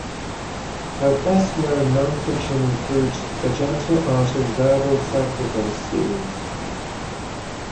Her best-known non-fiction includes the "Gentle Art of Verbal Self-Defense" series.